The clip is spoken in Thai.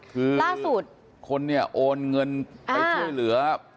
คือคนเนี่ยโอนเงินไปช่วยเหลือ